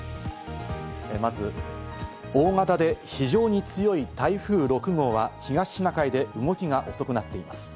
まず、大型で非常に強い台風６号は東シナ海で動きが遅くなっています。